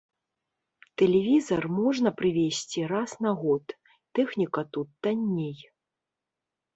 Тэлевізар можна прывезці раз на год, тэхніка тут танней.